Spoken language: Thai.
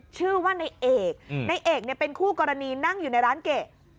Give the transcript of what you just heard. ชื่อว่าในเอกในเอกเนี่ยเป็นคู่กรณีนั่งอยู่ในร้านเกะ